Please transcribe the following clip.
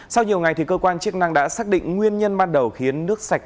sau nhiều ngày cơ quan chức năng đã xác định nguyên nhân ban đầu khiến nước sạch